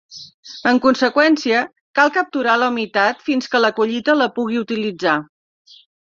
En conseqüència, cal capturar la humitat fins que la collita la pugui utilitzar.